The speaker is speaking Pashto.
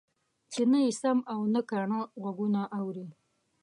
چې نه يې سم او نه کاڼه غوږونه اوري.